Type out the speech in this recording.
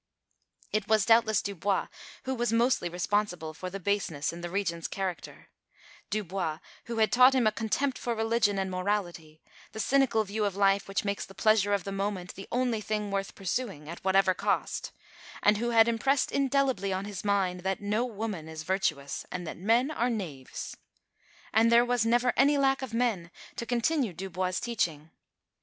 It was doubtless Dubois who was mostly responsible for the baseness in the Regent's character Dubois who had taught him a contempt for religion and morality, the cynical view of life which makes the pleasure of the moment the only thing worth pursuing, at whatever cost; and who had impressed indelibly on his mind that no woman is virtuous and that men are knaves. And there was never any lack of men to continue Dubois' teaching.